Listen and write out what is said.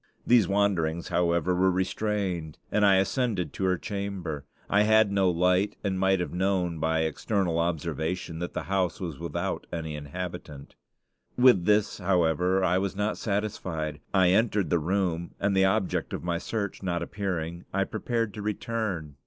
These wanderings, however, were restrained, and I ascended to her chamber. I had no light, and might have known by external observation that the house was without any inhabitant. With this, however, I was not satisfied. I entered the room, and the object of my search not appearing, I prepared to return.